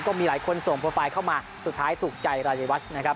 ก็มีหลายคนส่งโปรไฟล์เข้ามาสุดท้ายถูกใจรายวัชนะครับ